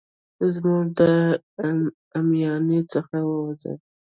زموږ له اميانۍ څخه ووزي.